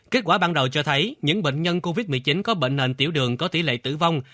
kết quả ban đầu cho thấy những bệnh nhân covid một mươi chín có bệnh nền tiểu đường có tỷ lệ tử vong